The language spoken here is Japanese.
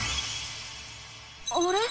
あれ？